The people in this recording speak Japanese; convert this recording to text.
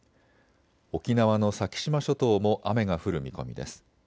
沖縄の先島諸島も雨が降る見込みです。